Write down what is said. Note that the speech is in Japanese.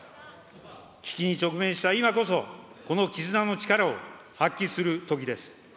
危機に直面した今こそ、この絆の力を発揮するときです。